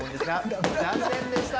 残念でした！